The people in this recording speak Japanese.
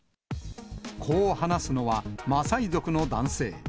こう話すのは、マサイ族の男性。